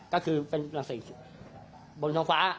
ก็คือเป็นราศีบนท้องฟ้า